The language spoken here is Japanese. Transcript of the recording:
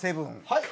はい。